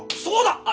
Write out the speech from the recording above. そうだ。